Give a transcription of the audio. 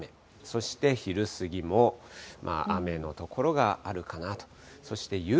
そして昼過ぎも雨の所があるかなと。